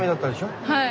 はい。